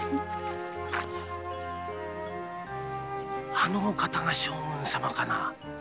あの方が将軍様かな？